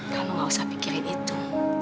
kamu gak usah pikirin itu